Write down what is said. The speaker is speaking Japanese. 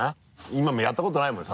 今もやったことないもんね